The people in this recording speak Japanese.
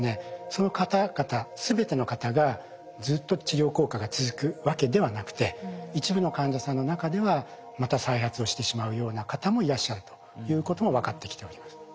その方々全ての方がずっと治療効果が続くわけではなくて一部の患者さんの中ではまた再発をしてしまうような方もいらっしゃるということも分かってきております。